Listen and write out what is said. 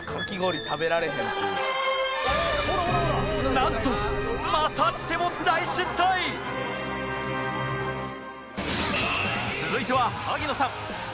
なんとまたしても続いては萩野さん